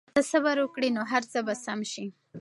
که ته صبر وکړې نو هر څه به سم شي.